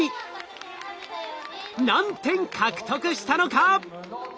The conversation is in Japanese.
何点獲得したのか？